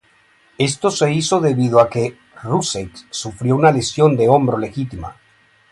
Esto se hizo debido a que Rusev sufrió una lesión de hombro legítima.